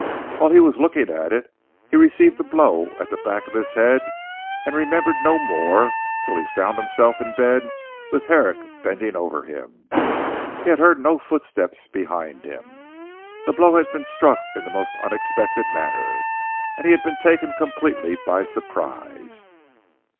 While looking at it, he received a blow at the back of his head and remembered no more until he found himself in bed with Herrick bending over him. He had heard no footsteps behind him. The blow had been struck in the most unexpected manner, and he had been taken completely by surprise.